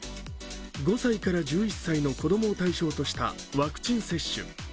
５歳から１１歳の子供を対象としたワクチン接種。